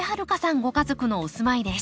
ご家族のお住まいです。